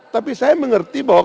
tapi saya mengerti bahwa